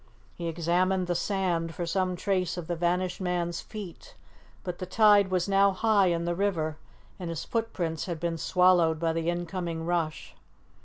He examined the sand for some trace of the vanished man's feet, but the tide was now high in the river, and his footprints had been swallowed by the incoming rush.